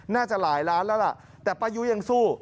น่าจะหลายล้านแล้วล่ะแต่ป้ายุยังสู้